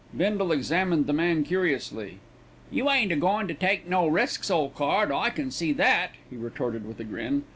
Bindle examined the man curiously. "You ain't a goin' to take no risks, ole card, I can see that," he retorted with a grin.